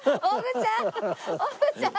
おぐちゃん！